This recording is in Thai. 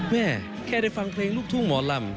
แม่แค่ได้ฟังเพลงลูกทุ่งหมอลำ